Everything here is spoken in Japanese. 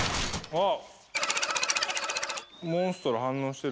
あっ！